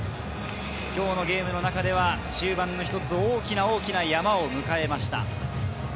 今日のゲームの中では終盤一つ大きな山を迎えました。